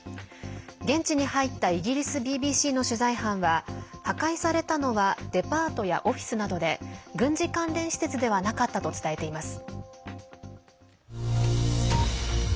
現地に入ったイギリスＢＢＣの取材班は破壊されたのはデパートやオフィスなどで軍事関連施設ではなかったと伝えています。